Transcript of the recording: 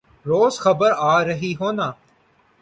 روز خبر آرہی ہونا